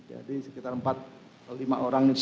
jadi sekitar empat lima orang itu